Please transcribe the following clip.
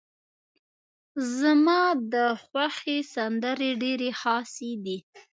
زما ده خوښې سندرې ډيرې خاصې دي.